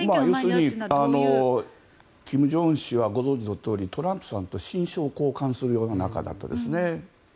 要するに金正恩氏はご存じのとおりトランプさんと親書を交換するような仲だったんです。